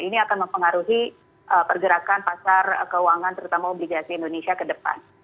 ini akan mempengaruhi pergerakan pasar keuangan terutama obligasi indonesia ke depan